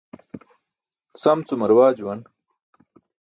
Sam cum arawaa juwan.